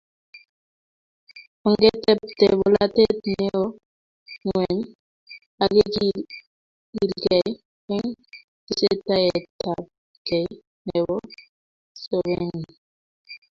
Ongetebte polatet neo ngweny akekilkei eng tesetaetabkei nebo sobenyo